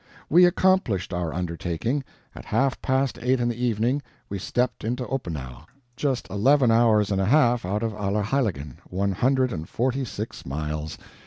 We accomplished our undertaking. At half past eight in the evening we stepped into Oppenau, just eleven hours and a half out of Allerheiligen one hundred and forty six miles.